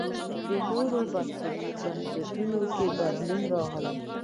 نورو بنسټونو کې بدلون راغی.